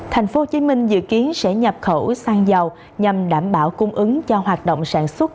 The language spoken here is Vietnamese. tp hcm dự kiến sẽ nhập khẩu sang dầu nhằm đảm bảo cung ứng cho hoạt động sản xuất